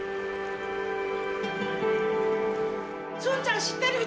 スンちゃん知ってる人？